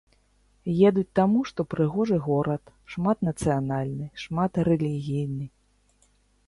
Едуць таму, што прыгожы горад, шматнацыянальны, шматрэлігійны.